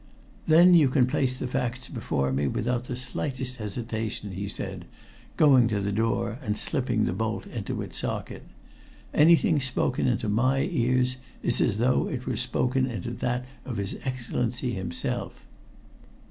"Then you can place the facts before me without the slightest hesitation," he said, going to the door and slipping the bolt into its socket. "Anything spoken into my ear is as though it were spoken into that of his Excellency himself."